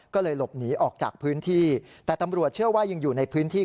ก็เลยหลบหนีออกจากพื้นที่แต่ตำรวจเชื่อว่ายังอยู่ในพื้นที่